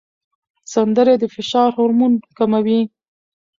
سندرې د فشار هورمون کموي.